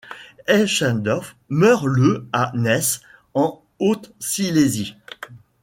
Eichendorff meurt le à Neisse, en Haute-Silésie.